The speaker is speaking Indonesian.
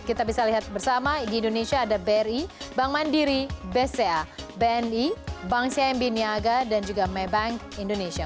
kita bisa lihat bersama di indonesia ada bri bank mandiri bca bni bank cmb niaga dan juga maybank indonesia